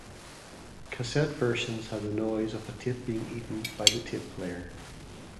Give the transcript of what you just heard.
Cassette versions had the noise of a tape being "eaten" by the tape player.